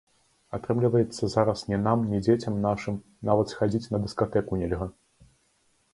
Атрымліваецца, зараз ні нам, ні дзецям нашым нават схадзіць на дыскатэку нельга!